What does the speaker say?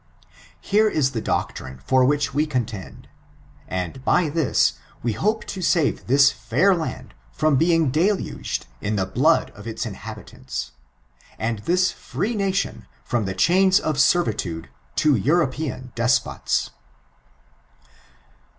Here is the doctrine for which we contend ; and, by this we hope to save this fair land fi*om being deluged in the blood of its inhabi tants, and this free nation from the chains of servitude to European despots.